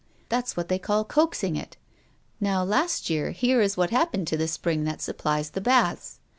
That's what they call coaxing it. Now last year here is what happened to the spring that supplies the baths.